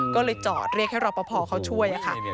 ก็เลยจอดเรียกให้รับประพอเขาช่วย